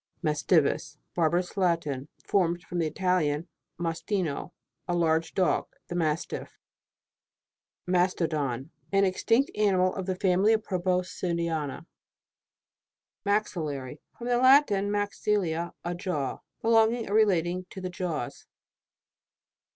MASTIVUS. Barbarous Latin, formed from the Italian, mastino, a large dog. The mastiff. MASTODON. An extinct animal of the family of Proboscidiana. MAXILLARY. From the Latin, max illa, a jaw. Belonging or relating to the jaws.